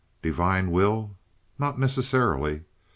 Divine will? Not necessarily.